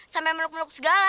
sampe meluk meluk segala